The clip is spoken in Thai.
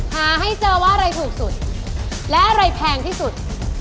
หาให้เจอว่าอะไรถูกสุดและอะไรแพงที่สุด